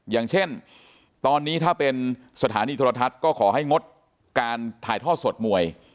อย่างเช่นตอนนี้ถ้าเป็นสถานีโทรทัศน์ก็ขอให้งดการถ่ายทอดสดมวย